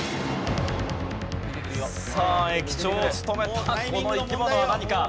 さあ駅長を務めたこの生き物は何か？